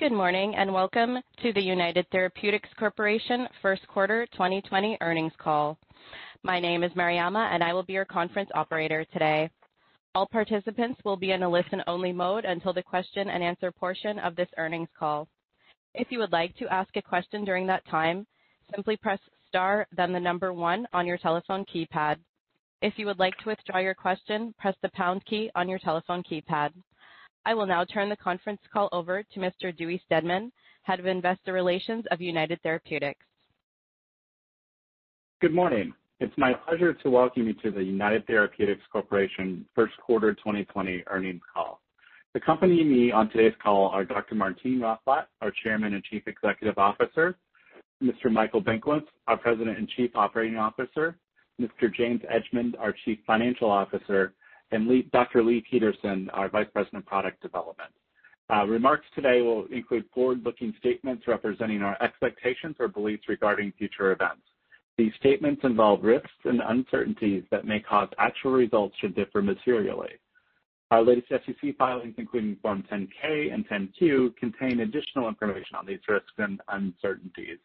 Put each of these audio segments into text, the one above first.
Good morning and welcome to the United Therapeutics Corporation First Quarter 2020 earnings call. My name is Mariama, and I will be your conference operator today. All participants will be in a listen-only mode until the question-and-answer portion of this earnings call. If you would like to ask a question during that time, simply press star, then the number one on your telephone keypad. If you would like to withdraw your question, press the pound key on your telephone keypad. I will now turn the conference call over to Mr. Dewey Steadman, Head of Investor Relations of United Therapeutics. Good morning. It's my pleasure to welcome you to the United Therapeutics Corporation First Quarter 2020 earnings call. Accompanying me on today's call are Dr. Martine Rothblatt, our Chairman and Chief Executive Officer, Mr. Michael Benkowitz, our President and Chief Operating Officer, Mr. James Edgemond, our Chief Financial Officer, and Dr. Leigh Peterson, our Vice President of Product Development. Our remarks today will include forward-looking statements representing our expectations or beliefs regarding future events. These statements involve risks and uncertainties that may cause actual results to differ materially. Our latest SEC filings, including Form 10-K and 10-Q, contain additional information on these risks and uncertainties,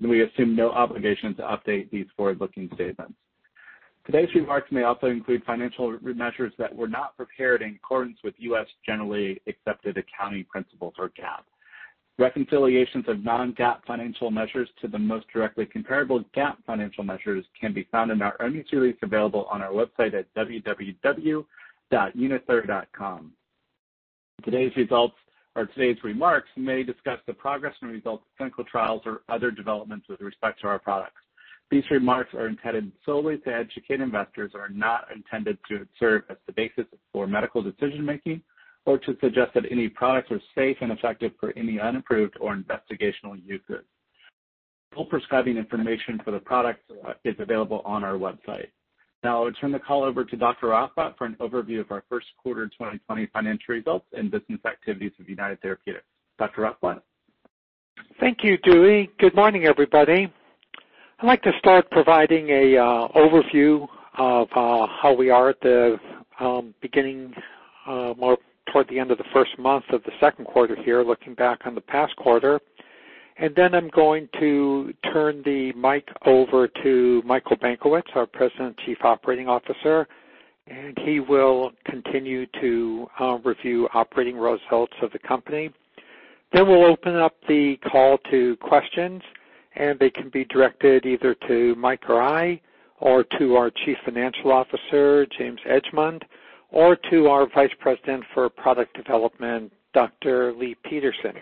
and we assume no obligation to update these forward-looking statements. Today's remarks may also include financial measures that were not prepared in accordance with U.S. generally accepted accounting principles, or GAAP. Reconciliations of non-GAAP financial measures to the most directly comparable GAAP financial measures can be found in our earnings release available on our website at www.unither.com. Today's results, or today's remarks, may discuss the progress and results of clinical trials or other developments with respect to our products. These remarks are intended solely to educate investors and are not intended to serve as the basis for medical decision-making or to suggest that any products are safe and effective for any unapproved or investigational uses. Full prescribing information for the products is available on our website. Now, I will turn the call over to Dr. Rothblatt for an overview of our first quarter 2020 financial results and business activities of United Therapeutics. Dr. Rothblatt? Thank you, Dewey. Good morning, everybody. I'd like to start by providing an overview of how we are at the beginning, more toward the end of the first month of the second quarter here, looking back on the past quarter. And then I'm going to turn the mic over to Michael Benkowitz, our President and Chief Operating Officer, and he will continue to review operating results of the company. Then we'll open up the call to questions, and they can be directed either to Mike or I, or to our Chief Financial Officer, James Edgemond, or to our Vice President for Product Development, Dr. Leigh Peterson.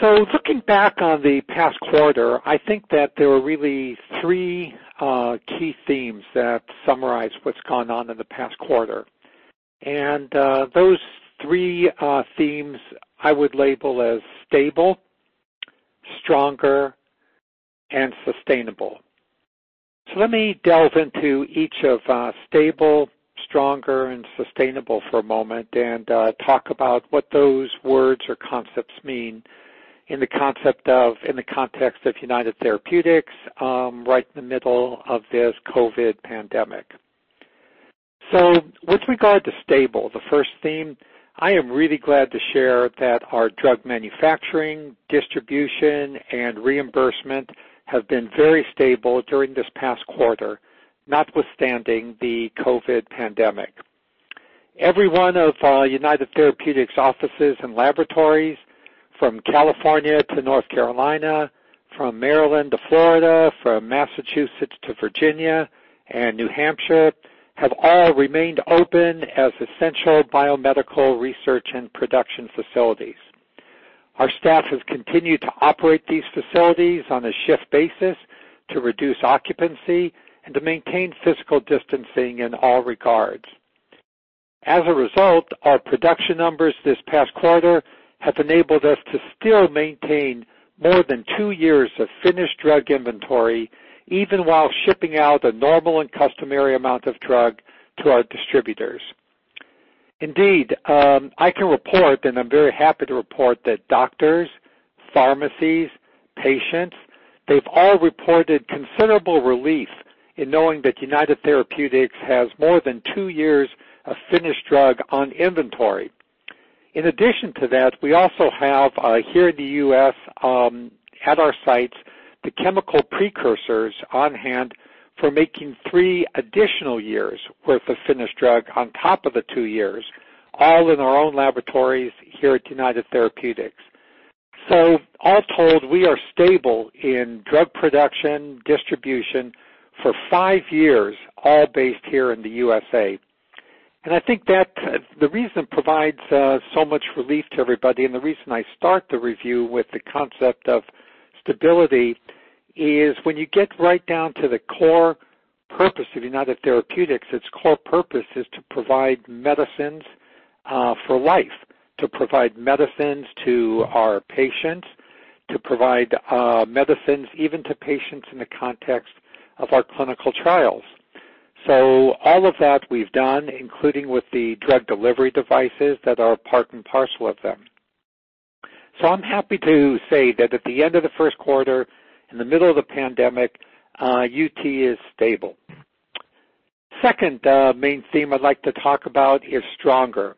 So, looking back on the past quarter, I think that there were really three key themes that summarize what's gone on in the past quarter. And those three themes I would label as stable, stronger, and sustainable. So, let me delve into each of stable, stronger, and sustainable for a moment and talk about what those words or concepts mean in the context of United Therapeutics right in the middle of this COVID pandemic. So, with regard to stable, the first theme, I am really glad to share that our drug manufacturing, distribution, and reimbursement have been very stable during this past quarter, notwithstanding the COVID pandemic. Every one of United Therapeutics' offices and laboratories, from California to North Carolina, from Maryland to Florida, from Massachusetts to Virginia and New Hampshire, have all remained open as essential biomedical research and production facilities. Our staff has continued to operate these facilities on a shift basis to reduce occupancy and to maintain physical distancing in all regards. As a result, our production numbers this past quarter have enabled us to still maintain more than two years of finished drug inventory, even while shipping out a normal and customary amount of drug to our distributors. Indeed, I can report, and I'm very happy to report, that doctors, pharmacies, patients, they've all reported considerable relief in knowing that United Therapeutics has more than two years of finished drug on inventory. In addition to that, we also have here in the U.S., at our sites, the chemical precursors on hand for making three additional years' worth of finished drug on top of the two years, all in our own laboratories here at United Therapeutics. So, all told, we are stable in drug production distribution for five years, all based here in the USA. I think that the reason it provides so much relief to everybody, and the reason I start the review with the concept of stability, is when you get right down to the core purpose of United Therapeutics. Its core purpose is to provide medicines for life, to provide medicines to our patients, to provide medicines even to patients in the context of our clinical trials. So, all of that we've done, including with the drug delivery devices that are a part and parcel of them. So, I'm happy to say that at the end of the first quarter, in the middle of the pandemic, UT is stable. The second main theme I'd like to talk about is stronger.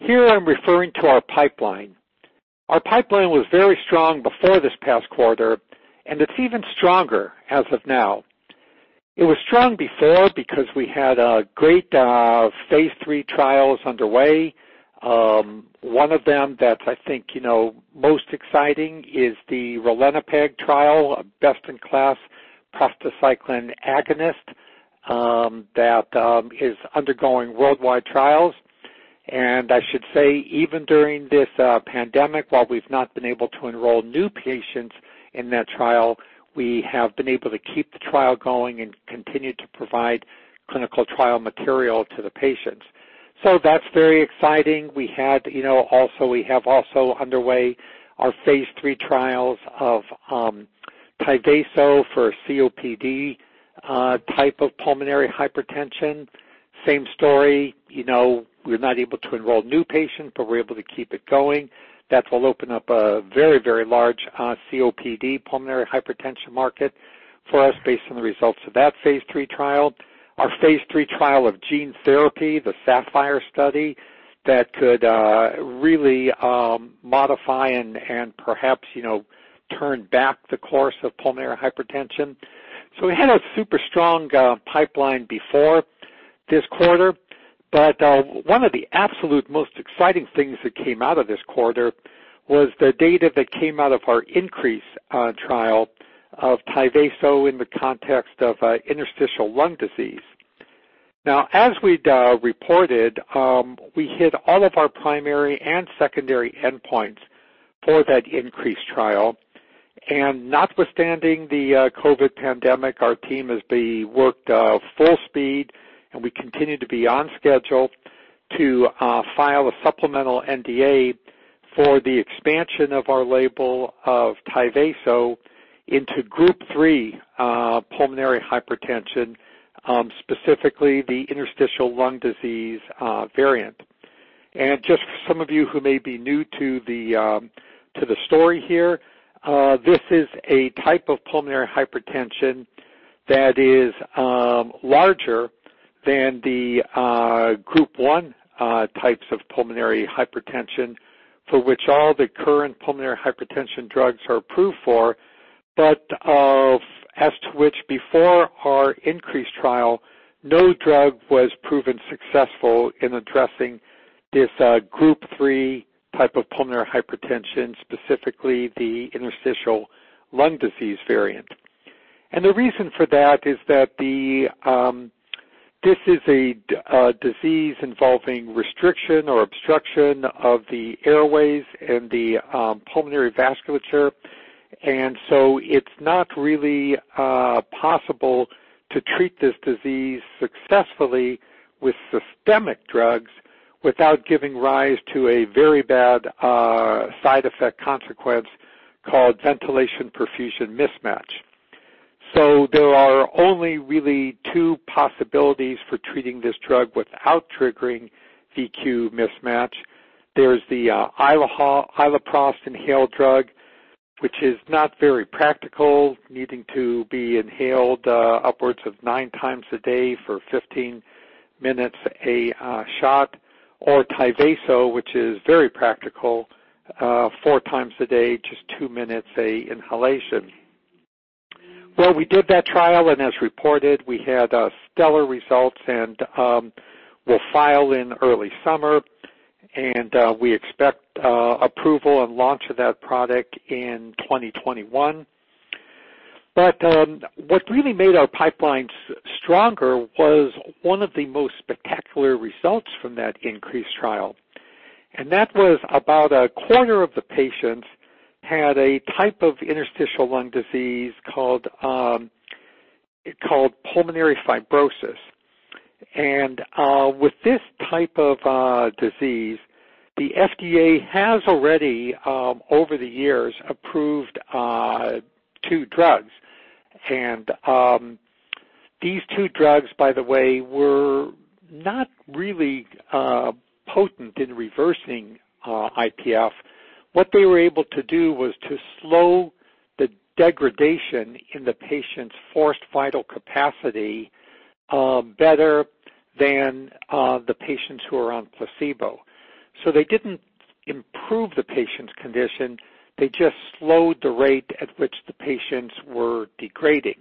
Here, I'm referring to our pipeline. Our pipeline was very strong before this past quarter, and it's even stronger as of now. It was strong before because we had great phase three trials underway. One of them that I think, you know, most exciting is the ralinepag trial, a best-in-class prostacyclin agonist that is undergoing worldwide trials. And I should say, even during this pandemic, while we've not been able to enroll new patients in that trial, we have been able to keep the trial going and continue to provide clinical trial material to the patients. So, that's very exciting. We had, you know, also we have also underway our phase three trials of Tyvaso for COPD type of pulmonary hypertension. Same story, you know, we're not able to enroll new patients, but we're able to keep it going. That will open up a very, very large COPD pulmonary hypertension market for us based on the results of that phase three trial. Our phase three trial of gene therapy, the SAPPHIRE study, that could really modify and perhaps, you know, turn back the course of pulmonary hypertension, so we had a super strong pipeline before this quarter, but one of the absolute most exciting things that came out of this quarter was the data that came out of our INCREASE trial of Tyvaso in the context of interstitial lung disease. Now, as we'd reported, we hit all of our primary and secondary endpoints for that INCREASE trial, and not withstanding the COVID pandemic, our team has worked full speed, and we continue to be on schedule to file a supplemental NDA for the expansion of our label of Tyvaso into group three pulmonary hypertension, specifically the interstitial lung disease variant. And just for some of you who may be new to the story here, this is a type of pulmonary hypertension that is larger than the Group one types of pulmonary hypertension for which all the current pulmonary hypertension drugs are approved for, but as to which before our INCREASE trial, no drug was proven successful in addressing this Group three type of pulmonary hypertension, specifically the interstitial lung disease variant. And the reason for that is that this is a disease involving restriction or obstruction of the airways and the pulmonary vasculature, and so it's not really possible to treat this disease successfully with systemic drugs without giving rise to a very bad side effect consequence called ventilation perfusion mismatch. So, there are only really two possibilities for treating this drug without triggering VQ mismatch. There's the iloprost inhaled drug, which is not very practical, needing to be inhaled upwards of nine times a day for 15 minutes a shot, or Tyvaso, which is very practical, four times a day, just two minutes a inhalation. We did that trial, and as reported, we had stellar results and will file in early summer, and we expect approval and launch of that product in 2021. What really made our pipelines stronger was one of the most spectacular results from that INCREASE trial. That was about a quarter of the patients had a type of interstitial lung disease called pulmonary fibrosis. With this type of disease, the FDA has already, over the years, approved two drugs. These two drugs, by the way, were not really potent in reversing IPF. What they were able to do was to slow the degradation in the patient's forced vital capacity better than the patients who are on placebo. So, they didn't improve the patient's condition. They just slowed the rate at which the patients were degrading.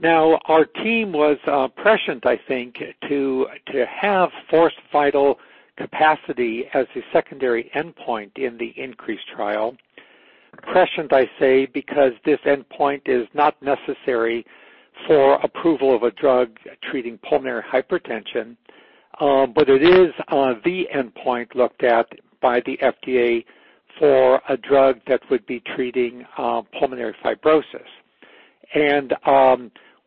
Now, our team was prescient, I think, to have forced vital capacity as a secondary endpoint in the INCREASE trial. Prescient, I say, because this endpoint is not necessary for approval of a drug treating pulmonary hypertension, but it is the endpoint looked at by the FDA for a drug that would be treating pulmonary fibrosis. And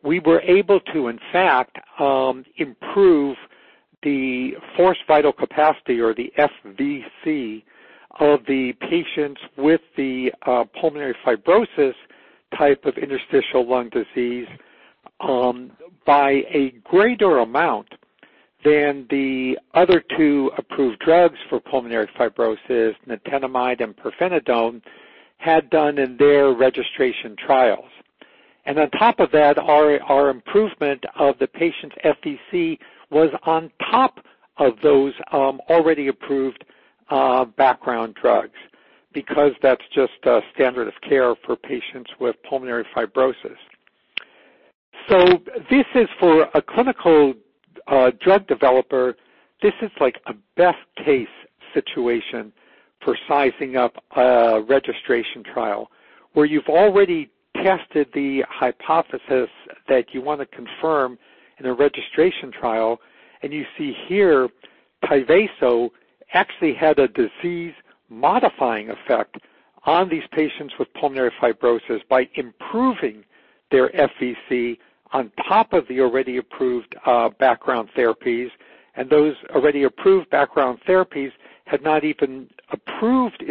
we were able to, in fact, improve the forced vital capacity, or the FVC, of the patients with the pulmonary fibrosis type of interstitial lung disease by a greater amount than the other two approved drugs for pulmonary fibrosis, nintedanib and pirfenidone, had done in their registration trials. And on top of that, our improvement of the patient's FVC was on top of those already approved background drugs because that's just a standard of care for patients with pulmonary fibrosis. So, this is for a clinical drug developer. This is like a best-case situation for sizing up a registration trial where you've already tested the hypothesis that you want to confirm in a registration trial, and you see here Tyvaso actually had a disease-modifying effect on these patients with pulmonary fibrosis by improving their FVC on top of the already approved background therapies, and those already approved background therapies had not even improved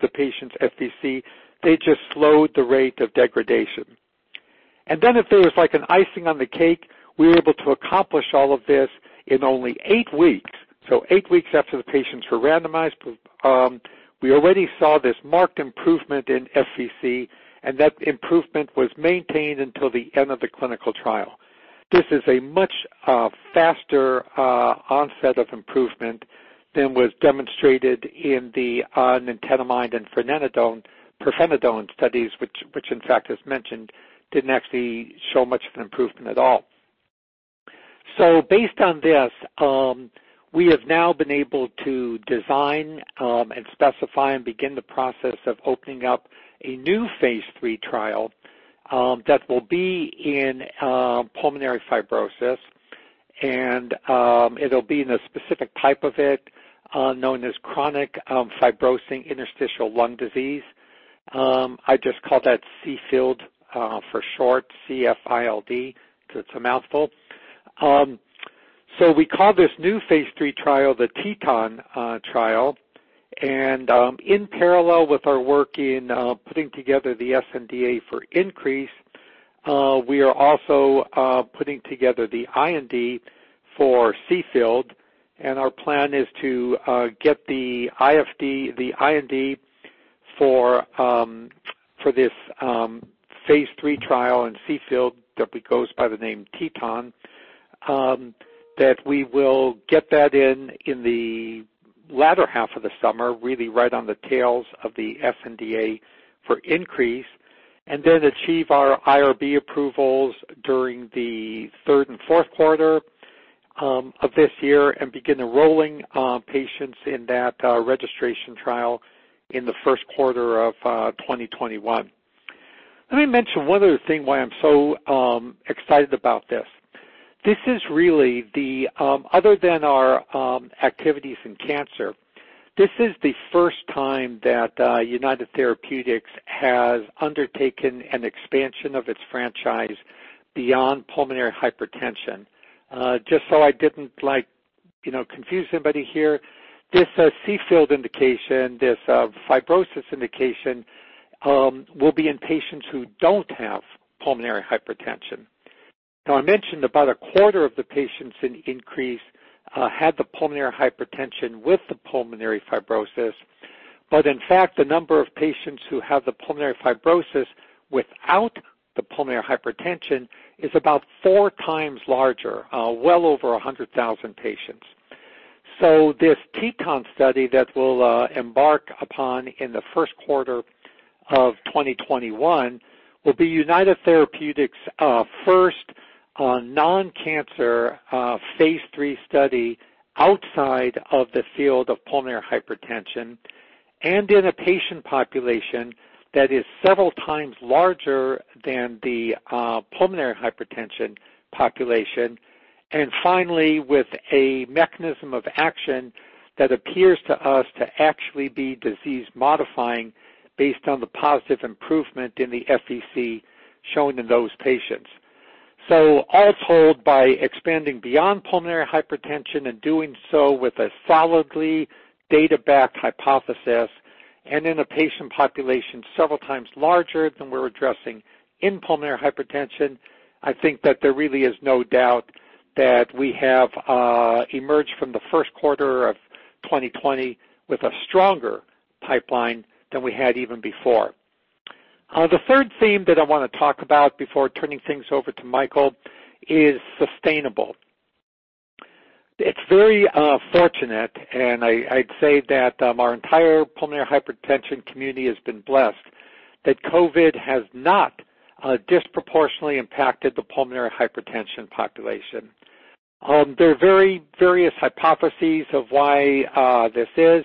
the patient's FVC. They just slowed the rate of degradation. And then, if there was like an icing on the cake, we were able to accomplish all of this in only eight weeks. So, eight weeks after the patients were randomized, we already saw this marked improvement in FVC, and that improvement was maintained until the end of the clinical trial. This is a much faster onset of improvement than was demonstrated in the Nintedanib and Pirfenidone studies, which, in fact, as mentioned, didn't actually show much of an improvement at all. So, based on this, we have now been able to design and specify and begin the process of opening up a new phase three trial that will be in pulmonary fibrosis, and it'll be in a specific type of it known as chronic fibrosing interstitial lung disease. I just call that CF-ILD for short, C-F-I-L-D, because it's a mouthful. We call this new phase three trial the TETON trial, and in parallel with our work in putting together the SNDA for INCREASE, we are also putting together the IND for CF-ILD, and our plan is to get the IND for this phase three trial in CF-ILD that goes by the name TETON, that we will get that in the latter half of the summer, really right on the tails of the SNDA for INCREASE, and then achieve our IRB approvals during the third and fourth quarter of this year and begin enrolling patients in that registration trial in the first quarter of 2021. Let me mention one other thing why I'm so excited about this. This is really the, other than our activities in cancer, this is the first time that United Therapeutics has undertaken an expansion of its franchise beyond pulmonary hypertension. Just so I didn't, like, you know, confuse anybody here, this CF-ILD indication, this fibrosis indication, will be in patients who don't have pulmonary hypertension. Now, I mentioned about a quarter of the patients in INCREASE had the pulmonary hypertension with the pulmonary fibrosis, but in fact, the number of patients who have the pulmonary fibrosis without the pulmonary hypertension is about four times larger, well over 100,000 patients. This TETON study that we'll embark upon in the first quarter of 2021 will be United Therapeutics' first non-cancer phase three study outside of the field of pulmonary hypertension and in a patient population that is several times larger than the pulmonary hypertension population, and finally, with a mechanism of action that appears to us to actually be disease-modifying based on the positive improvement in the FVC shown in those patients. So, all told, by expanding beyond pulmonary hypertension and doing so with a solidly data-backed hypothesis and in a patient population several times larger than we're addressing in pulmonary hypertension, I think that there really is no doubt that we have emerged from the first quarter of 2020 with a stronger pipeline than we had even before. The third theme that I want to talk about before turning things over to Michael is sustainable. It's very fortunate, and I'd say that our entire pulmonary hypertension community has been blessed that COVID has not disproportionately impacted the pulmonary hypertension population. There are very various hypotheses of why this is.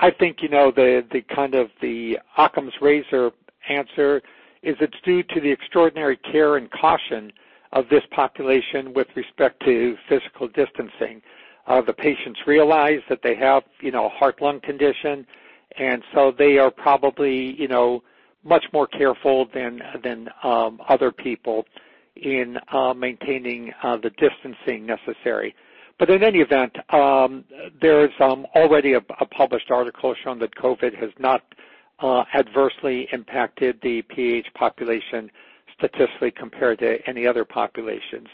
I think, you know, the kind of the Occam's razor answer is it's due to the extraordinary care and caution of this population with respect to physical distancing. The patients realize that they have, you know, a heart-lung condition, and so they are probably, you know, much more careful than other people in maintaining the distancing necessary. But in any event, there's already a published article showing that COVID has not adversely impacted the PH population statistically compared to any other populations.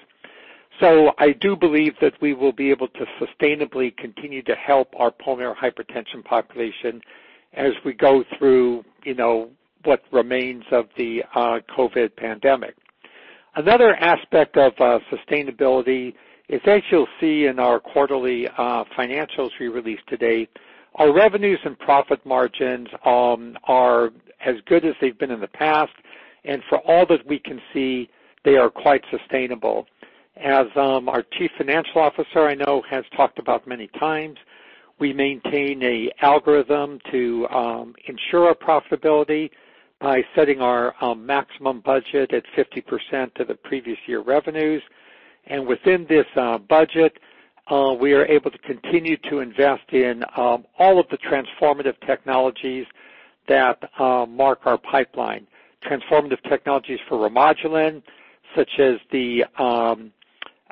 So, I do believe that we will be able to sustainably continue to help our pulmonary hypertension population as we go through, you know, what remains of the COVID pandemic. Another aspect of sustainability is, as you'll see in our quarterly financials we released today, our revenues and profit margins are as good as they've been in the past, and for all that we can see, they are quite sustainable. As our Chief Financial Officer, I know, has talked about many times, we maintain an algorithm to ensure our profitability by setting our maximum budget at 50% of the previous year revenues, and within this budget, we are able to continue to invest in all of the transformative technologies that mark our pipeline. Transformative technologies for Remodulin, such as the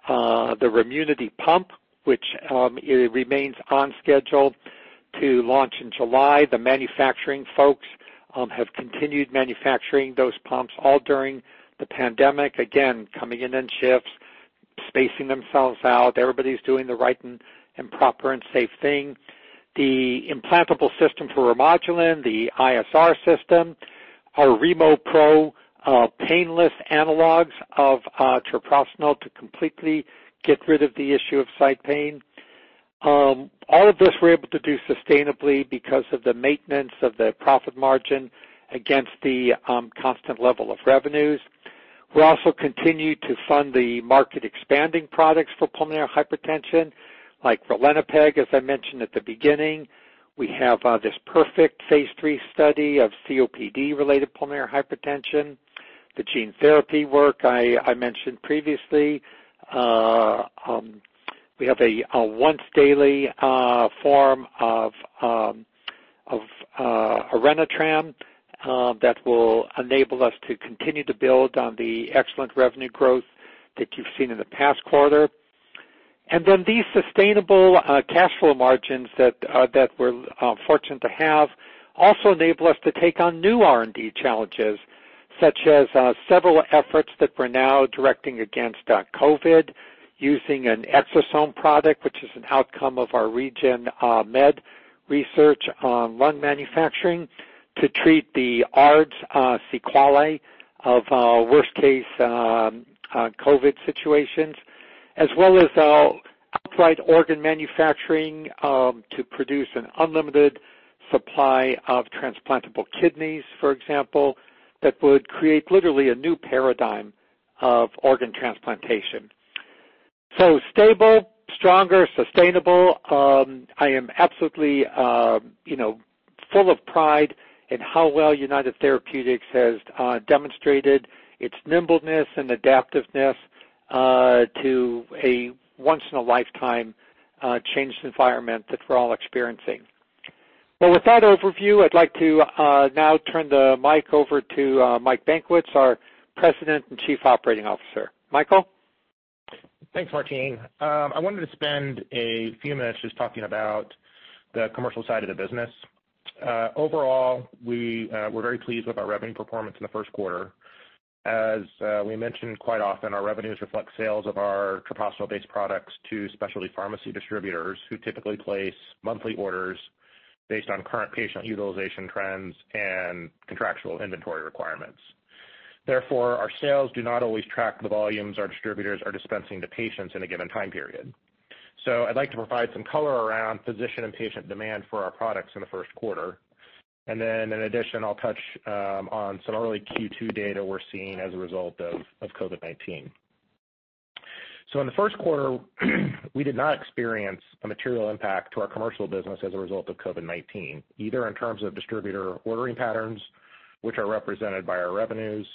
Remunity pump, which remains on schedule to launch in July. The manufacturing folks have continued manufacturing those pumps all during the pandemic, again, coming in shifts, spacing themselves out. Everybody's doing the right and proper and safe thing. The implantable system for Remodulin, the ISR system, our RemoPro painless analogs of treprostinil to completely get rid of the issue of site pain. All of this we're able to do sustainably because of the maintenance of the profit margin against the constant level of revenues. We also continue to fund the market-expanding products for pulmonary hypertension, like ralinepag, as I mentioned at the beginning. We have this PERFECT phase 3 study of COPD-related pulmonary hypertension, the gene therapy work I mentioned previously. We have a once-daily form of Orenitram that will enable us to continue to build on the excellent revenue growth that you've seen in the past quarter. And then these sustainable cash flow margins that we're fortunate to have also enable us to take on new R&D challenges, such as several efforts that we're now directing against COVID, using an Exosome product, which is an outcome of our regenerative med research on lung manufacturing to treat the ARDS sequelae of worst-case COVID situations, as well as outright organ manufacturing to produce an unlimited supply of transplantable kidneys, for example, that would create literally a new paradigm of organ transplantation. So, stable, stronger, sustainable. I am absolutely, you know, full of pride in how well United Therapeutics has demonstrated its nimbleness and adaptiveness to a once-in-a-lifetime change in the environment that we're all experiencing. But with that overview, I'd like to now turn the mic over to Mike Benkowitz, our President and Chief Operating Officer. Michael? Thanks, Martine. I wanted to spend a few minutes just talking about the commercial side of the business. Overall, we were very pleased with our revenue performance in the first quarter. As we mentioned quite often, our revenues reflect sales of our treprostinil-based products to specialty pharmacy distributors who typically place monthly orders based on current patient utilization trends and contractual inventory requirements. Therefore, our sales do not always track the volumes our distributors are dispensing to patients in a given time period. I'd like to provide some color around physician and patient demand for our products in the first quarter. And then, in addition, I'll touch on some early Q2 data we're seeing as a result of COVID-19. In the first quarter, we did not experience a material impact to our commercial business as a result of COVID-19, either in terms of distributor ordering patterns, which are represented by our revenues,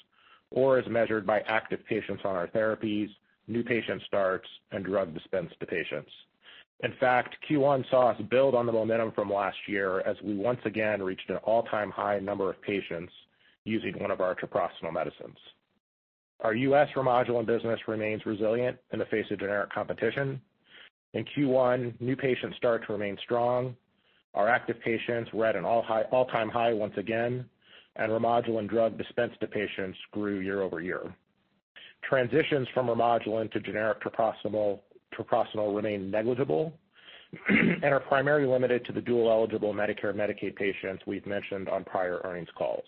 or as measured by active patients on our therapies, new patient starts, and drug dispensed to patients. In fact, Q1 saw us build on the momentum from last year as we once again reached an all-time high number of patients using one of our Treprostinil medicines. Our U.S. Remodulin business remains resilient in the face of generic competition. In Q1, new patient starts remain strong. Our active patients read an all-time high once again, and Remodulin drug dispensed to patients grew year over year. Transitions from Remodulin to generic Treprostinil remain negligible and are primarily limited to the dual-eligible Medicare/Medicaid patients we've mentioned on prior earnings calls.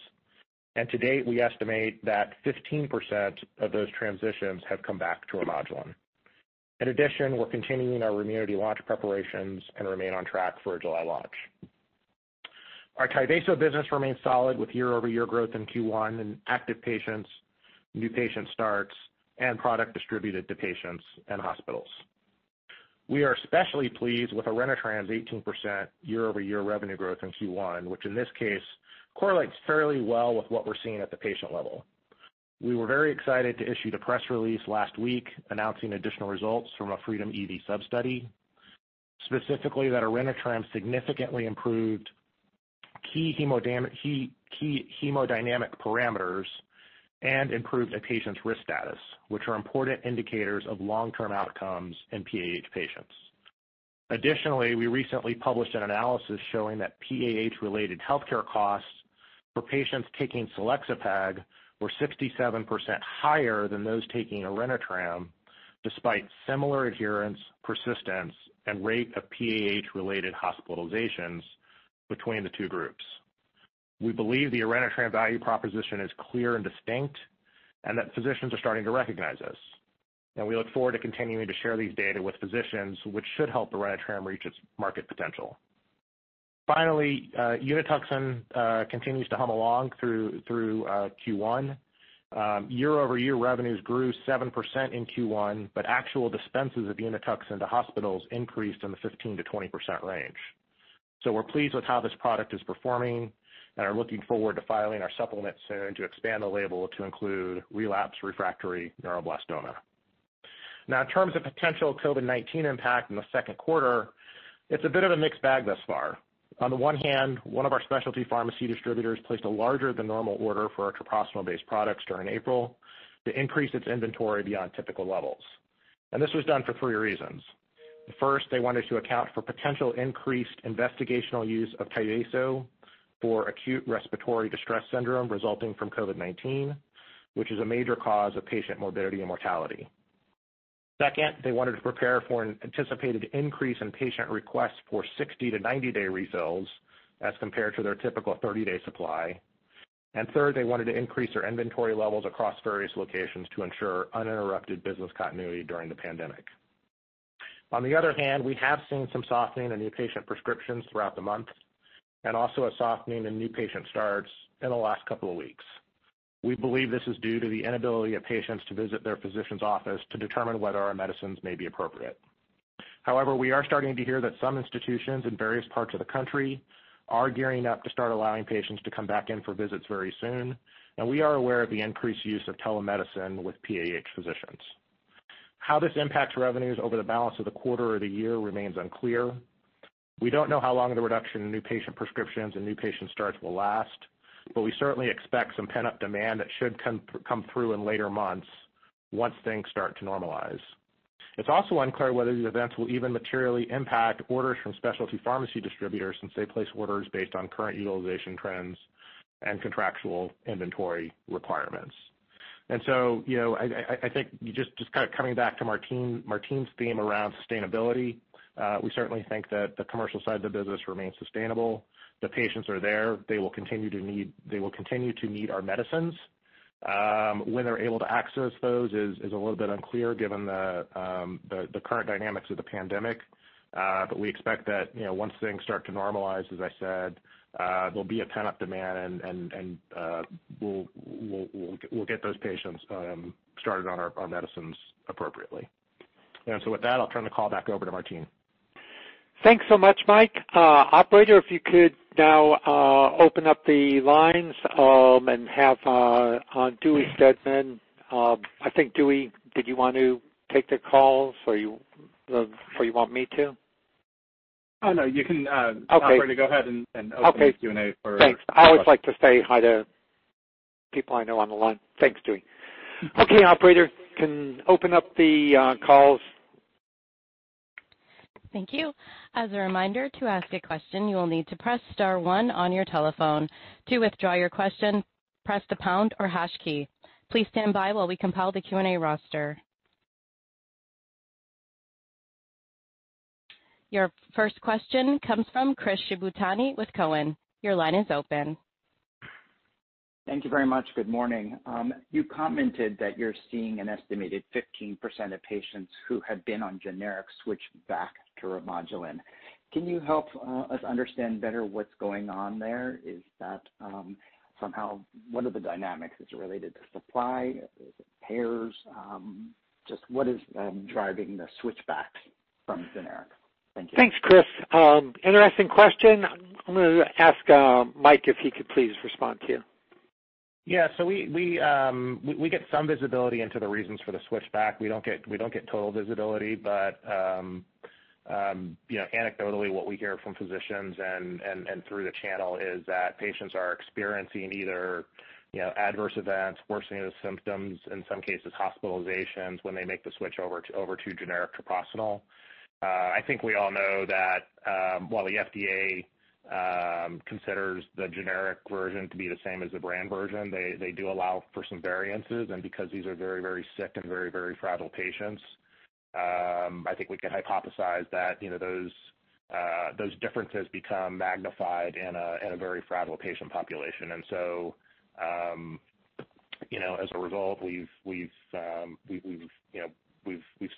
And to date, we estimate that 15% of those transitions have come back to Remodulin. In addition, we're continuing our Remunity launch preparations and remain on track for a July launch. Our Tyvaso business remains solid with year-over-year growth in Q1 in active patients, new patient starts, and product distributed to patients and hospitals. We are especially pleased with Orenitram's 18% year-over-year revenue growth in Q1, which in this case correlates fairly well with what we're seeing at the patient level. We were very excited to issue the press release last week announcing additional results from a FREEDOM EV sub-study, specifically that Orenitram significantly improved key hemodynamic parameters and improved a patient's risk status, which are important indicators of long-term outcomes in PH patients. Additionally, we recently published an analysis showing that PH-related healthcare costs for patients taking Selexipag were 67% higher than those taking Orenitram, despite similar adherence, persistence, and rate of PH-related hospitalizations between the two groups. We believe the Orenitram value proposition is clear and distinct, and that physicians are starting to recognize this, and we look forward to continuing to share these data with physicians, which should help Orenitram reach its market potential. Finally, Unituxin continues to hum along through Q1. Year-over-year revenues grew 7% in Q1, but actual dispenses of Unituxin to hospitals increased in the 15%-20% range. We're pleased with how this product is performing and are looking forward to filing our supplement soon to expand the label to include relapsed refractory neuroblastoma. Now, in terms of potential COVID-19 impact in the second quarter, it's a bit of a mixed bag thus far. On the one hand, one of our specialty pharmacy distributors placed a larger-than-normal order for our treprostinil-based products during April to increase its inventory beyond typical levels. This was done for three reasons. First, they wanted to account for potential increased investigational use of Tyvaso for acute respiratory distress syndrome resulting from COVID-19, which is a major cause of patient morbidity and mortality. Second, they wanted to prepare for an anticipated increase in patient requests for 60- to 90-day refills as compared to their typical 30-day supply. And third, they wanted to increase their inventory levels across various locations to ensure uninterrupted business continuity during the pandemic. On the other hand, we have seen some softening in new patient prescriptions throughout the month and also a softening in new patient starts in the last couple of weeks. We believe this is due to the inability of patients to visit their physician's office to determine whether our medicines may be appropriate. However, we are starting to hear that some institutions in various parts of the country are gearing up to start allowing patients to come back in for visits very soon, and we are aware of the increased use of telemedicine with PH physicians. How this impacts revenues over the balance of the quarter or the year remains unclear. We don't know how long the reduction in new patient prescriptions and new patient starts will last, but we certainly expect some pent-up demand that should come through in later months once things start to normalize. It's also unclear whether these events will even materially impact orders from specialty pharmacy distributors since they place orders based on current utilization trends and contractual inventory requirements. And so, you know, I think just kind of coming back to Martine's theme around sustainability, we certainly think that the commercial side of the business remains sustainable. The patients are there. They will continue to need our medicines. When they're able to access those is a little bit unclear given the current dynamics of the pandemic, but we expect that, you know, once things start to normalize, as I said, there'll be a pent-up demand, and we'll get those patients started on our medicines appropriately. And so, with that, I'll turn the call back over to Martine. Thanks so much, Mike. Operator, if you could now open up the lines and have Dewey Steadman. I think Dewey, did you want to take the call, or you want me to? Oh, no. You can, Operator go ahead and open the Q&A for Okay. Thanks. I always like to say hi to people I know on the line. Thanks, Dewey. Okay, Operator, can open up the calls. Thank you. As a reminder, to ask a question, you will need to press star one on your telephone. To withdraw your question, press the pound or hash key. Please stand by while we compile the Q&A roster. Your first question comes from Chris Shibutani with Cowen. Your line is open. Thank you very much. Good morning. You commented that you're seeing an estimated 15% of patients who had been on generics switch back to Remodulin. Can you help us understand better what's going on there? Is that somehow? What are the dynamics? Is it related to supply? Is it payers? Just what is driving the switchback from generics? Thank you. Thanks, Chris. Interesting question. I'm going to ask Mike if he could please respond to you. Yeah. So, we get some visibility into the reasons for the switchback. We don't get total visibility, but, you know, anecdotally, what we hear from physicians and through the channel is that patients are experiencing either adverse events, worsening of the symptoms, in some cases hospitalizations when they make the switch over to generic Treprostinil. I think we all know that while the FDA considers the generic version to be the same as the brand version, they do allow for some variances. And because these are very, very sick and very, very fragile patients, I think we can hypothesize that those differences become magnified in a very fragile patient population. And so, you know, as a result, we've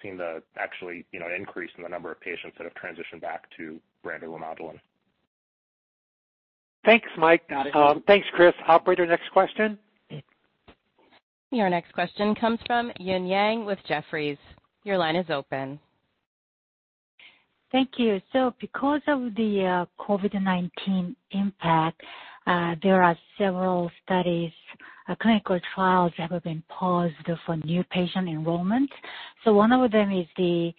seen the actually an increase in the number of patients that have transitioned back to branded Remodulin. Thanks, Mike. Thanks, Chris. Operator, next question. Your next question comes from Eun Yang with Jefferies. Your line is open. Thank you. Because of the COVID-19 impact, there are several studies, clinical trials that have been paused for new patient enrollment. One of them is the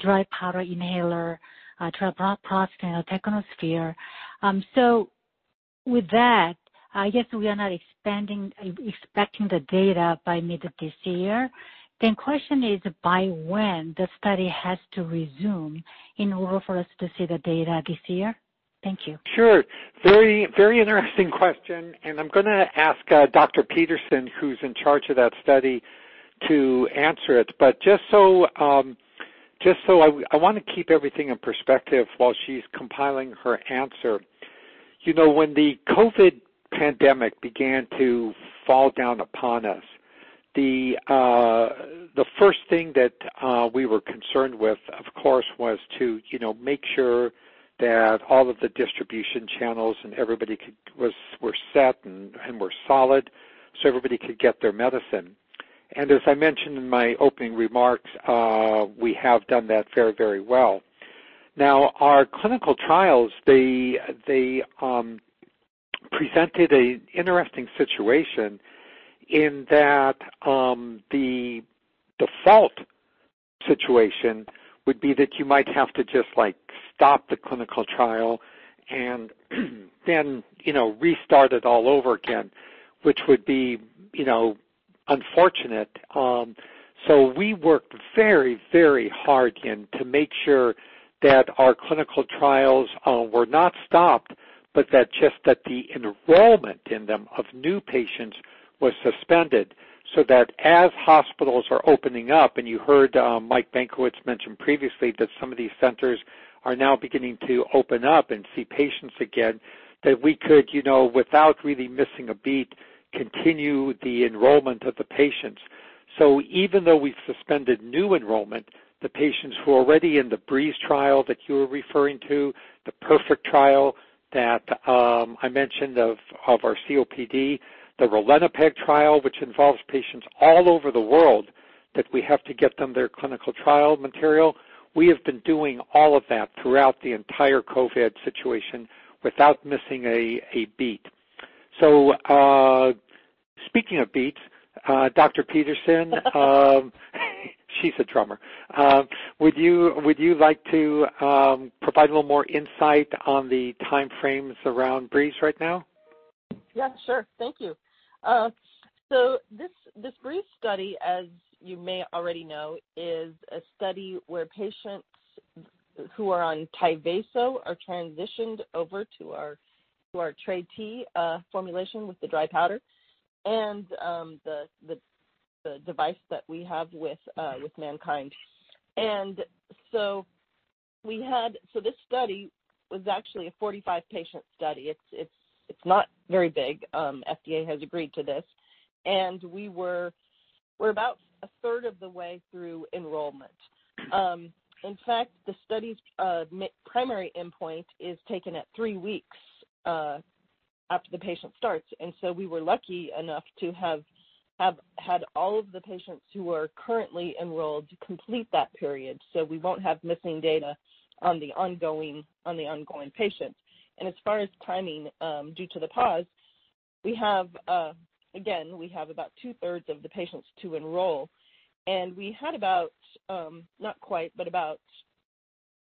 dry powder inhaler, Treprostinil and Technosphere. With that, I guess we are not expecting the data by mid this year. Then the question is, by when the study has to resume in order for us to see the data this year? Thank you. Sure. Very interesting question. I'm going to ask Dr. Peterson, who's in charge of that study, to answer it. But just so I want to keep everything in perspective while she's compiling her answer. You know, when the COVID pandemic began to fall down upon us, the first thing that we were concerned with, of course, was to make sure that all of the distribution channels and everybody were set and were solid so everybody could get their medicine. As I mentioned in my opening remarks, we have done that very, very well. Now, our clinical trials, they presented an interesting situation in that the default situation would be that you might have to just, like, stop the clinical trial and then, you know, restart it all over again, which would be, you know, unfortunate. So, we worked very, very hard to make sure that our clinical trials were not stopped, but that just the enrollment in them of new patients was suspended so that as hospitals are opening up, and you heard Mike Benkowitz mention previously that some of these centers are now beginning to open up and see patients again, that we could, you know, without really missing a beat, continue the enrollment of the patients. So, even though we've suspended new enrollment, the patients who are already in the BREEZE trial that you were referring to, the PERFECT trial that I mentioned of our COPD, the ralinepag trial, which involves patients all over the world, that we have to get them their clinical trial material, we have been doing all of that throughout the entire COVID situation without missing a beat. So, speaking of beats, Dr. Peterson, she's a drummer. Would you like to provide a little more insight on the time frames around BREEZE right now? Yeah, sure. Thank you. So, this BREEZE study, as you may already know, is a study where patients who are on Tyvaso are transitioned over to our Tret formulation with the dry powder and the device that we have with MannKind. And so, this study was actually a 45-patient study. It's not very big. The FDA has agreed to this, and we're about a third of the way through enrollment. In fact, the study's primary endpoint is taken at three weeks after the patient starts, and so, we were lucky enough to have had all of the patients who are currently enrolled complete that period. So, we won't have missing data on the ongoing patients, and as far as timing due to the pause, we have, again, we have about two-thirds of the patients to enroll. And we had about, not quite, but about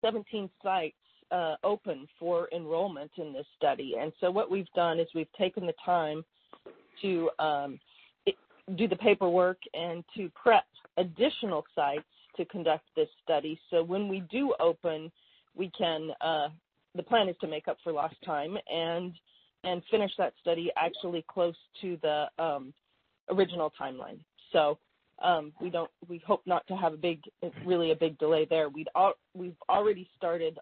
17 sites open for enrollment in this study, and so, what we've done is we've taken the time to do the paperwork and to prep additional sites to conduct this study. So, when we do open, we can, the plan is to make up for lost time and finish that study actually close to the original timeline. We hope not to have a big, really a big delay there. We've already started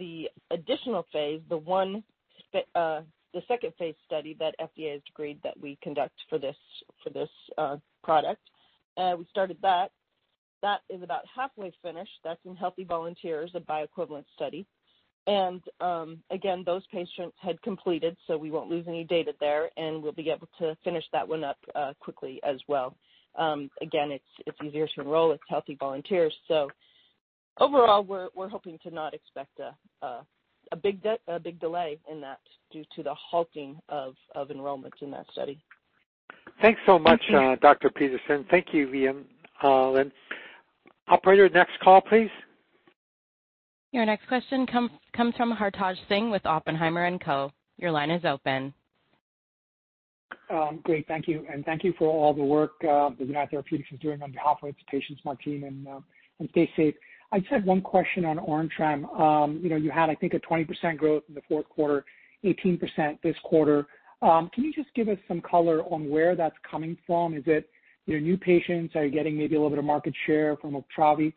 the additional phase, the second phase study that the FDA has agreed that we conduct for this product. We started that. That is about halfway finished. That's in healthy volunteers, a bioequivalent study. And again, those patients had completed, so we won't lose any data there, and we'll be able to finish that one up quickly as well. Again, it's easier to enroll. It's healthy volunteers. So, overall, we're hoping to not expect a big delay in that due to the halting of enrollment in that study. Thanks so much, Dr. Peterson. Thank you, Eun Yang. Operator, next call, please. Your next question comes from Hartaj Singh with Oppenheimer & Co. Your line is open. Great. Thank you. And thank you for all the work the United Therapeutics is doing on behalf of its patients, Martine, and stay safe. I just had one question on Orenitram. You had, I think, a 20% growth in the fourth quarter, 18% this quarter. Can you just give us some color on where that's coming from? Is it new patients? Are you getting maybe a little bit of market share from UPTRAVI?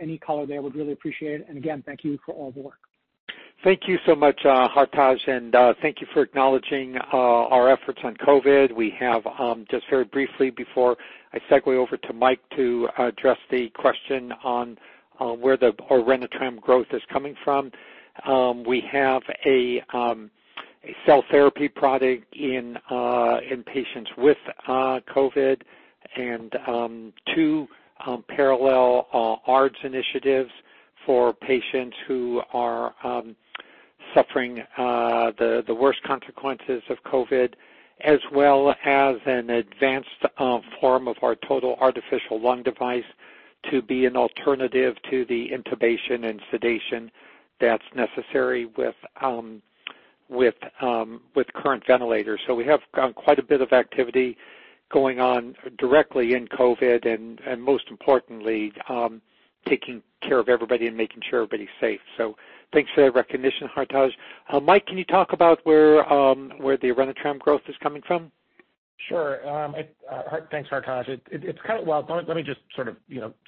Any color there? We'd really appreciate it. And again, thank you for all the work. Thank you so much, Hartaj. And thank you for acknowledging our efforts on COVID. We have just very briefly before I segue over to Mike to address the question on where the Orenitram growth is coming from. We have a cell therapy product in patients with COVID and two parallel ARDS initiatives for patients who are suffering the worst consequences of COVID, as well as an advanced form of our total artificial lung device to be an alternative to the intubation and sedation that's necessary with current ventilators. So, we have quite a bit of activity going on directly in COVID and, most importantly, taking care of everybody and making sure everybody's safe. So, thanks for that recognition, Hartaj. Mike, can you talk about where the Orenitram growth is coming from? Sure. Thanks, Hartaj. Well, let me just sort of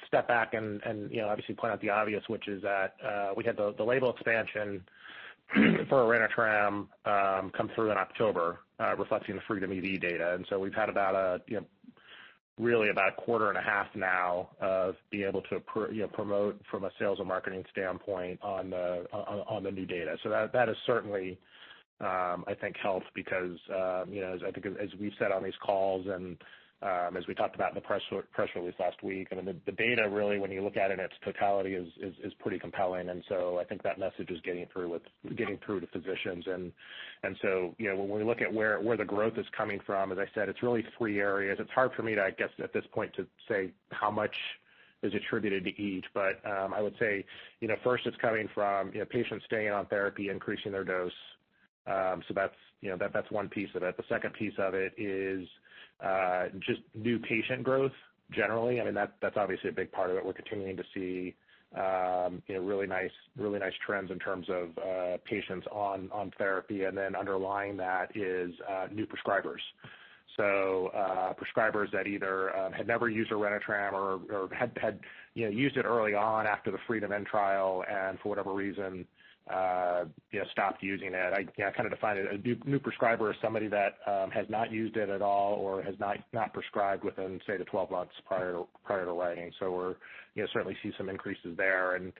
step back and, obviously, point out the obvious, which is that we had the label expansion for Orenitram come through in October, reflecting the FREEDOM-EV data. And so, we've had about a, really about a quarter and a half now of being able to promote from a sales and marketing standpoint on the new data. So, that has certainly, I think, helped because, as I think, as we've said on these calls and as we talked about in the press release last week, I mean, the data really, when you look at it in its totality, is pretty compelling. And so, I think that message is getting through to physicians. And so, when we look at where the growth is coming from, as I said, it's really three areas. It's hard for me to, I guess, at this point, to say how much is attributed to each. But I would say, first, it's coming from patients staying on therapy, increasing their dose. So, that's one piece of it. The second piece of it is just new patient growth generally. I mean, that's obviously a big part of it. We're continuing to see really nice trends in terms of patients on therapy. And then underlying that is new prescribers. So, prescribers that either had never used Orenitram or had used it early on after the FREEDOM-EV trial and, for whatever reason, stopped using it. I kind of define a new prescriber as somebody that has not used it at all or has not prescribed within, say, the 12 months prior to writing. So, we certainly see some increases there, and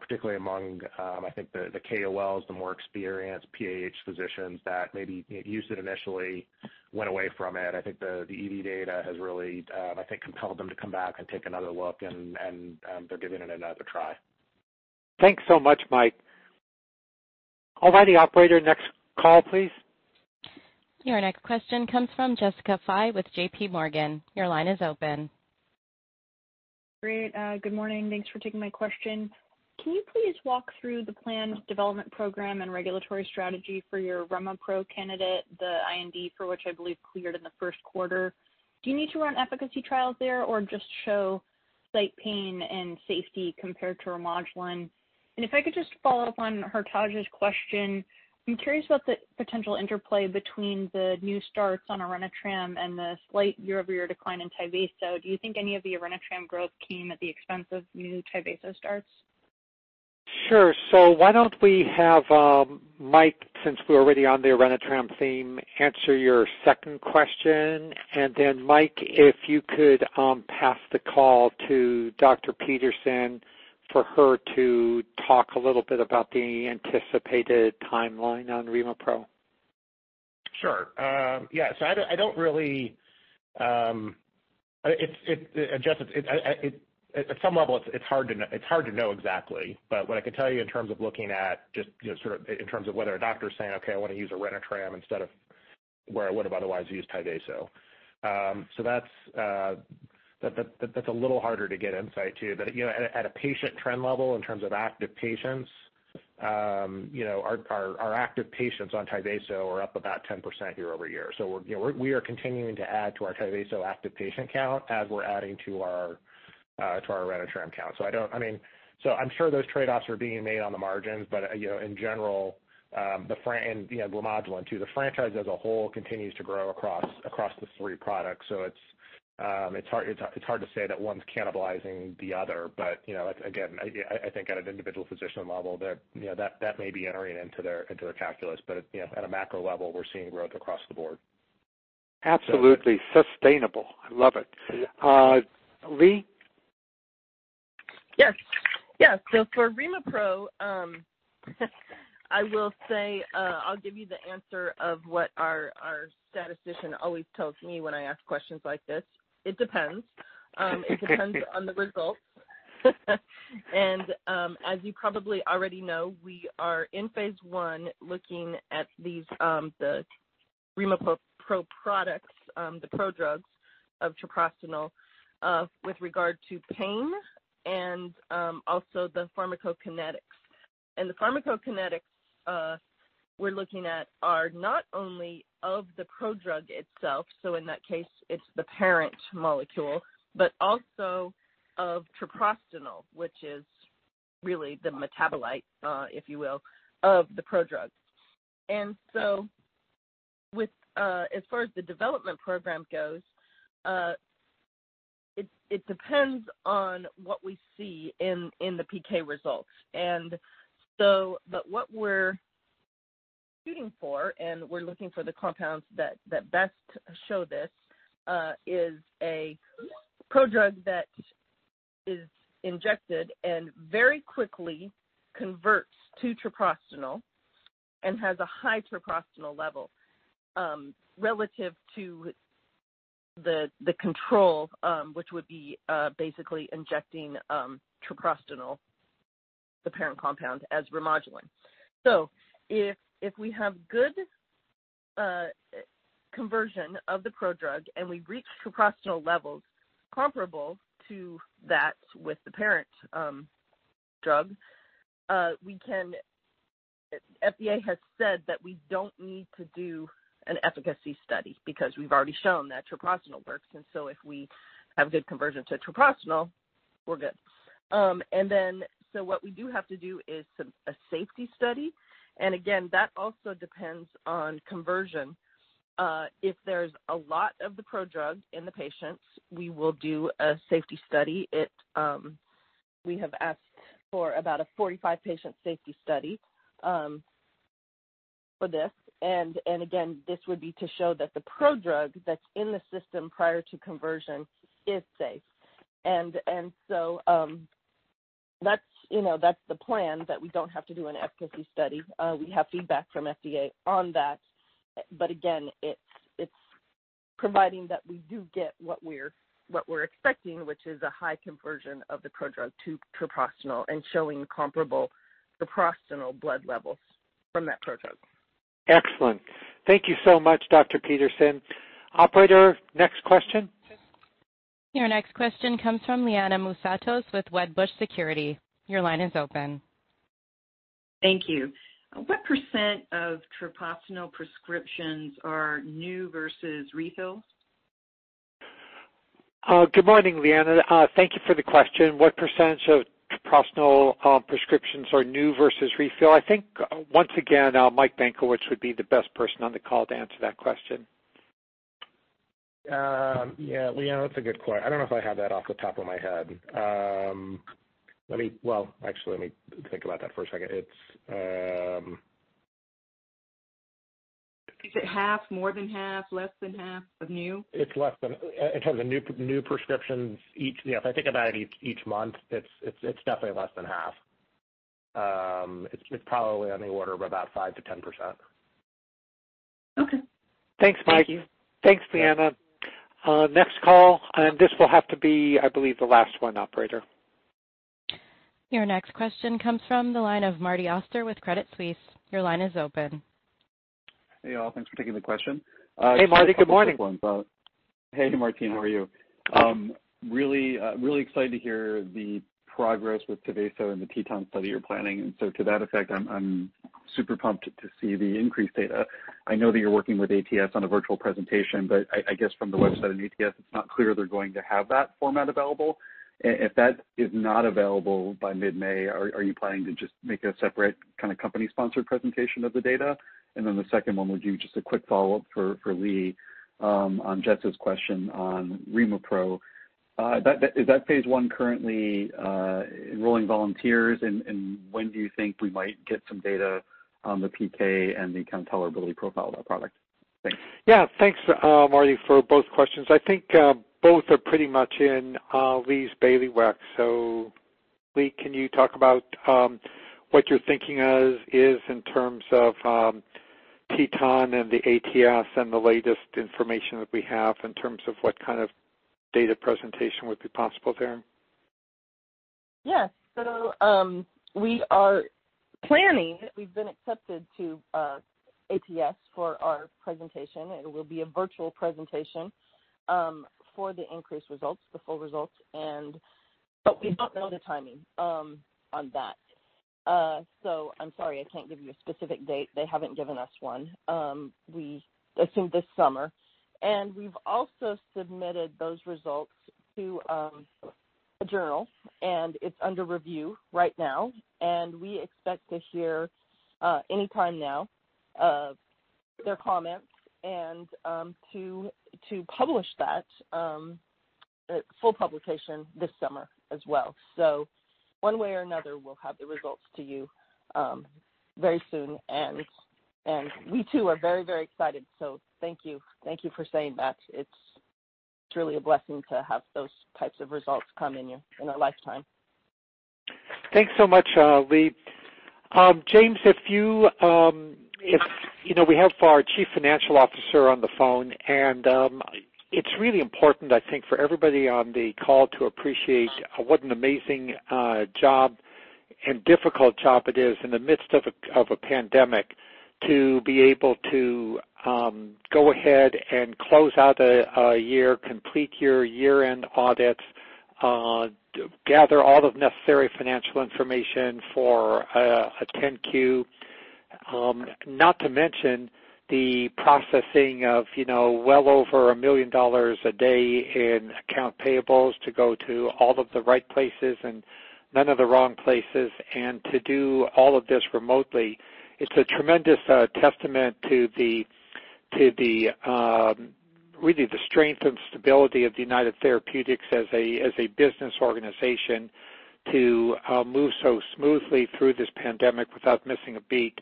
particularly among, I think, the KOLs, the more experienced PAH physicians that maybe used it initially, went away from it. I think the EV data has really, I think, compelled them to come back and take another look, and they're giving it another try. Thanks so much, Mike. All righty, Operator. Next call, please. Your next question comes from Jessica Fye with J.P. Morgan. Your line is open. Great. Good morning. Thanks for taking my question. Can you please walk through the planned development program and regulatory strategy for your RemoPro candidate, the IND for which I believe cleared in the first quarter? Do you need to run efficacy trials there or just show site pain and safety compared to Remodulin? And if I could just follow up on Hartaj's question, I'm curious about the potential interplay between the new starts on Orenitram and the slight year-over-year decline in Tyvaso. Do you think any of the Orenitram growth came at the expense of new Tyvaso starts? Sure. So, why don't we have Mike, since we're already on the Orenitram theme, answer your second question. And then, Mike, if you could pass the call to Dr. Peterson for her to talk a little bit about the anticipated timeline on RemoPro. Sure. Yeah. So, I don't really, Jess, at some level, it's hard to know exactly. But what I can tell you in terms of looking at just sort of in terms of whether a doctor is saying, "Okay, I want to use Orenitram instead of where I would have otherwise used Tyvaso." So, that's a little harder to get insight to. But at a patient trend level, in terms of active patients, our active patients on Tyvaso are up about 10% year-over-year. So, we are continuing to add to our Tyvaso active patient count as we're adding to our Orenitram count. So, I mean, I'm sure those trade-offs are being made on the margins. But in general, and Remodulin, too, the franchise as a whole continues to grow across the three products. It's hard to say that one's cannibalizing the other. But again, I think at an individual physician level, that may be entering into their calculus. But at a macro level, we're seeing growth across the board. Absolutely sustainable. I love it. Leigh? Yes. Yes. So, for RemoPro, I will say I'll give you the answer of what our statistician always tells me when I ask questions like this. It depends. It depends on the results. And as you probably already know, we are in phase one looking at the RemoPro products, the prodrugs of treprostinil, with regard to pain and also the pharmacokinetics. And the pharmacokinetics we're looking at are not only of the prodrug itself, so in that case, it's the parent molecule, but also of treprostinil, which is really the metabolite, if you will, of the prodrug. As far as the development program goes, it depends on what we see in the PK results. But what we're shooting for, and we're looking for the compounds that best show this, is a pro drug that is injected and very quickly converts to Treprostinil and has a high Treprostinil level relative to the control, which would be basically injecting Treprostinil, the parent compound, as Remodulin. If we have good conversion of the pro drug and we reach Treprostinil levels comparable to that with the parent drug, FDA has said that we don't need to do an efficacy study because we've already shown that Treprostinil works. If we have good conversion to Treprostinil, we're good. What we do have to do is a safety study. Again, that also depends on conversion. If there's a lot of the pro drug in the patients, we will do a safety study. We have asked for about a 45-patient safety study for this. And again, this would be to show that the pro drug that's in the system prior to conversion is safe. And so, that's the plan, that we don't have to do an efficacy study. We have feedback from FDA on that. But again, it's providing that we do get what we're expecting, which is a high conversion of the pro drug to treprostinil and showing comparable treprostinil blood levels from that pro drug. Excellent. Thank you so much, Dr. Peterson. Operator, next question. Your next question comes from Liana Moussatos with Wedbush Securities. Your line is open. Thank you. What percent of treprostinil prescriptions are new versus refills? Good morning, Liana. Thank you for the question. What percentage of Treprostinil prescriptions are new versus refill? I think, once again, Mike Benkowitz would be the best person on the call to answer that question. Yeah. Liana, that's a good question. I don't know if I have that off the top of my head. Well, actually, let me think about that for a second. Is it half, more than half, less than half of new? It's less than new prescriptions each. If I think about it each month, it's definitely less than half. It's probably on the order of about 5%-10%. Okay. Thanks, Mike. Thank you. Thanks, Liana. Next call, and this will have to be, I believe, the last one, Operator. Your next question comes from the line of Marty Auster with Credit Suisse. Your line is open. Hey, all. Thanks for taking the question. Hey, Marty. Good morning. Hey, Marty. How are you? Really excited to hear the progress with Tyvaso and the TETON study you're planning, and so, to that effect, I'm super pumped to see the INCREASE data. I know that you're working with ATS on a virtual presentation, but I guess from the website on ATS, it's not clear they're going to have that format available. If that is not available by mid-May, are you planning to just make a separate kind of company-sponsored presentation of the data? And then the second one would be just a quick follow-up for Lee on Jess's question on RemoPro. Is that phase one currently enrolling volunteers, and when do you think we might get some data on the PK and the kind of tolerability profile of that product? Thanks. Yeah. Thanks, Marty, for both questions. I think both are pretty much in Lee's bailiwick. So, Leigh, can you talk about what you're thinking of is in terms of TETON and the ATS and the latest information that we have in terms of what kind of data presentation would be possible there? Yes. We are planning. We've been accepted to ATS for our presentation. It will be a virtual presentation for the INCREASE results, the full results. But we don't know the timing on that. I'm sorry, I can't give you a specific date. They haven't given us one. We assume this summer. We've also submitted those results to a journal, and it's under review right now. We expect to hear anytime now their comments and to publish that full publication this summer as well. One way or another, we'll have the results to you very soon. We, too, are very, very excited. Thank you. Thank you for saying that. It's really a blessing to have those types of results come in our lifetime. Thanks so much, Leigh. James, if you, we have our Chief Financial Officer on the phone, and it's really important, I think, for everybody on the call to appreciate what an amazing job and difficult job it is in the midst of a pandemic to be able to go ahead and close out a year, complete your year-end audits, gather all the necessary financial information for a 10-Q, not to mention the processing of well over $1 million a day in account payables to go to all of the right places and none of the wrong places and to do all of this remotely. It's a tremendous testament to really the strength and stability of United Therapeutics as a business organization to move so smoothly through this pandemic without missing a beat.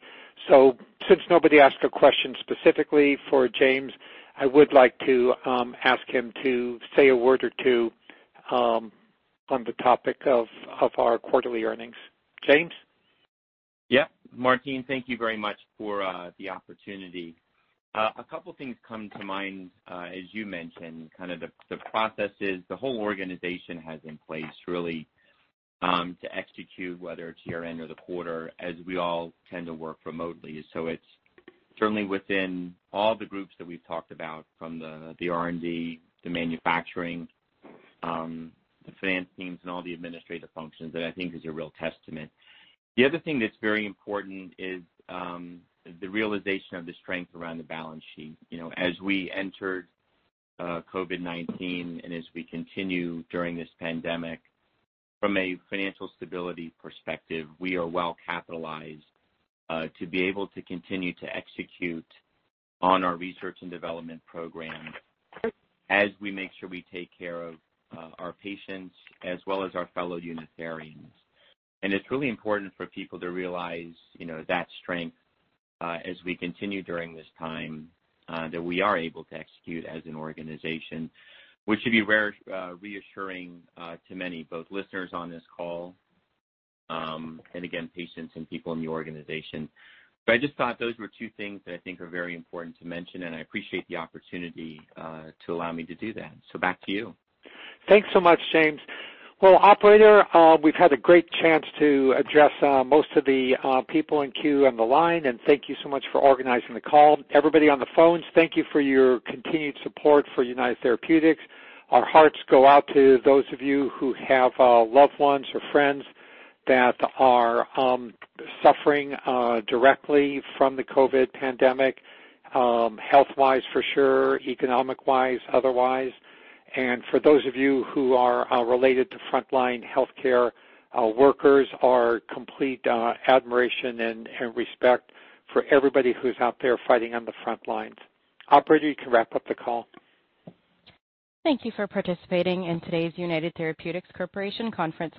So, since nobody asked a question specifically for James, I would like to ask him to say a word or two on the topic of our quarterly earnings. James? Yep. Martine, thank you very much for the opportunity. A couple of things come to mind, as you mentioned, kind of the processes the whole organization has in place really to execute, whether it's year-end or the quarter, as we all tend to work remotely. So, it's certainly within all the groups that we've talked about, from the R&D, the manufacturing, the finance teams, and all the administrative functions, that I think is a real testament. The other thing that's very important is the realization of the strength around the balance sheet. As we entered COVID-19 and as we continue during this pandemic, from a financial stability perspective, we are well capitalized to be able to continue to execute on our research and development program as we make sure we take care of our patients as well as our fellow Unitherians. And it's really important for people to realize that strength as we continue during this time that we are able to execute as an organization, which should be very reassuring to many, both listeners on this call and, again, patients and people in the organization. But I just thought those were two things that I think are very important to mention, and I appreciate the opportunity to allow me to do that. So, back to you. Thanks so much, James. Well, Operator, we've had a great chance to address most of the people in Q&A on the line. Thank you so much for organizing the call. Everybody on the phones, thank you for your continued support for United Therapeutics. Our hearts go out to those of you who have loved ones or friends that are suffering directly from the COVID pandemic, health-wise for sure, economic-wise, otherwise. For those of you who are related to frontline healthcare workers, our complete admiration and respect for everybody who's out there fighting on the frontlines. Operator, you can wrap up the call. Thank you for participating in today's United Therapeutics Corporation Conference.